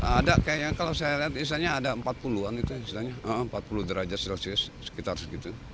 ada kayaknya kalau saya lihat misalnya ada empat puluh an itu empat puluh derajat celcius sekitar segitu